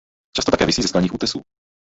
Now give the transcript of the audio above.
Často také visí ze skalních útesů.